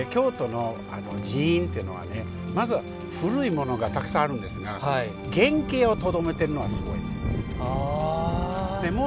京都の寺院というのはまずは古いものがたくさんあるんですが原型をとどめているのがすごいです。